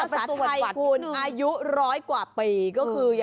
สมัยแท้คุณอายุร้อยกว่าปี